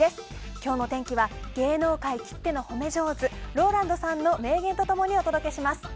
今日の天気は芸能界きっての褒め上手ＲＯＬＡＮＤさんの名言と共にお届けします。